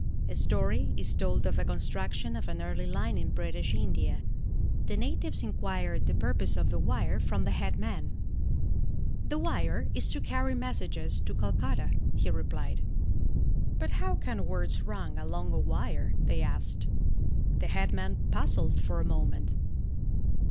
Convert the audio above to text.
A story is told of the construction of an early line in British India. The natives inquired the purpose of the wire from the head man. "The wire is to carry messages to Calcutta," he replied. "But how can words run along a wire?" they asked. The head man puzzled for a moment.